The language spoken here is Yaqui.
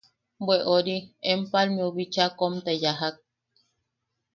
–Bwe... ori... Empalmeu bicha kom te yajak.